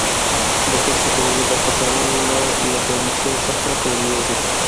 د تشو بولو دفع کول له لګنچې څخه پیلېږي.